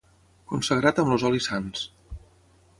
Consagrat amb els olis sants.